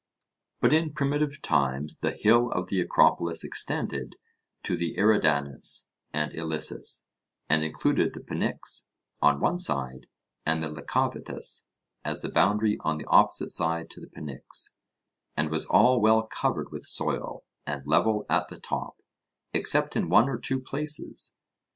But in primitive times the hill of the Acropolis extended to the Eridanus and Ilissus, and included the Pnyx on one side, and the Lycabettus as a boundary on the opposite side to the Pnyx, and was all well covered with soil, and level at the top, except in one or two places.